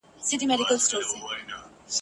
د واسکټ شیطانان ..